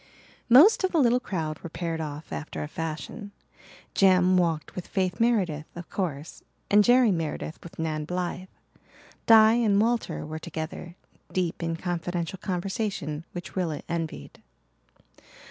Most of the little crowd were paired off after a fashion. Jem walked with Faith Meredith, of course, and Jerry Meredith with Nan Blythe. Di and Walter were together, deep in confidential conversation which Rilla envied.